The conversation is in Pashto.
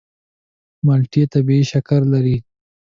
مالټې طبیعي شکر لري.